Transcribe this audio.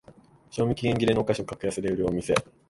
賞味期限切れのお菓子を格安で売るお店